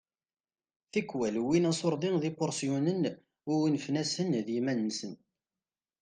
Tikwal wwin aṣurdi d ipuṛsyunen u unfen-asen d yiman-nsen.